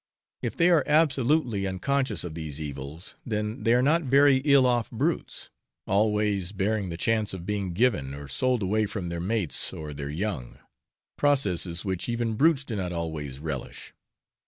If they are absolutely unconscious of these evils, then they are not very ill off brutes, always barring the chance of being given or sold away from their mates or their young processes which even brutes do not always relish.